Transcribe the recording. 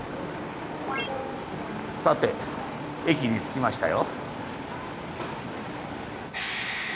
さて駅に着きましたよ。